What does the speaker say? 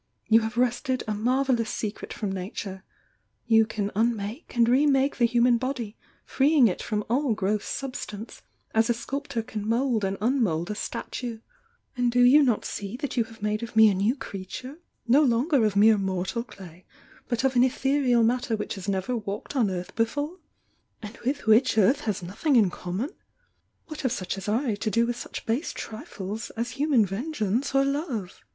You have wrested a marvellous secret frcn Nature— jrou can unmake and lemake the human body, freeing it from all gross substance, as a sculptor can mould and unmoulo a statue, — and do you not see that you have made of me i new creature, no longer of mere mortal clay, but of an ethereal matter which haa never walked on earth before? — and with which earth has nothing in common? What have such as I to do with such base trifles aa human vengeance or love?"